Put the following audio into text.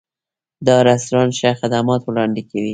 دا رستورانت ښه خدمات وړاندې کوي.